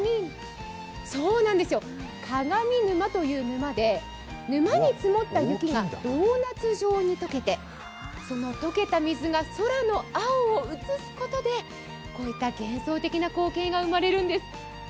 鏡沼という沼で沼に積もった雪がドーナツ状に解けて、その解けた水が空の青を映すことでこういった幻想的な光景が生まれるんです。